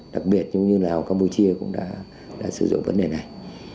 đặc biệt như là hồ campuchia cũng đã sử dụng vấn đề này